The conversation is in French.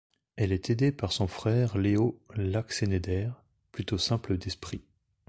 Elle est aidée par son frère Leo Laxeneder, plutôt simple d'esprit.